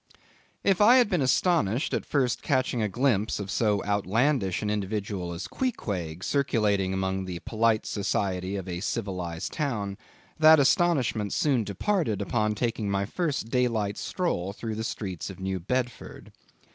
If I had been astonished at first catching a glimpse of so outlandish an individual as Queequeg circulating among the polite society of a civilized town, that astonishment soon departed upon taking my first daylight stroll through the streets of New Bedford.